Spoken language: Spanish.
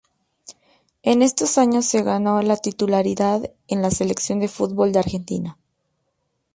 En estos años se ganó la titularidad en la Selección de fútbol de Argentina.